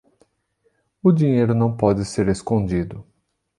O dinheiro não pode ser escondido.